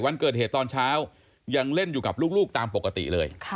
วันเกิดเหตุตอนเช้ายังเล่นอยู่กับลูกตามปกติเลย